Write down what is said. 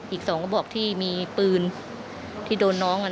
อีก๒กระบอกที่มีปืนที่โดนน้อง